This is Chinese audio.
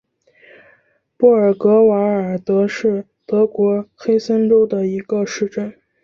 布尔格瓦尔德是德国黑森州的一个市镇。